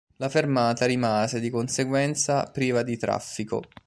La fermata rimase di conseguenza priva di traffico.